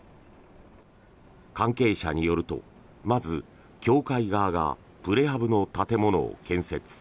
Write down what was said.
関係者によると、まず協会側がプレハブの建物を建設。